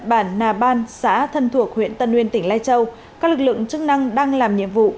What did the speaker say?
bản nà ban xã thân thuộc huyện tân nguyên tỉnh lai châu các lực lượng chức năng đang làm nhiệm vụ